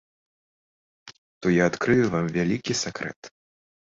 То я адкрыю вам вялікі сакрэт.